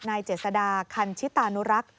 เจษดาคันชิตานุรักษ์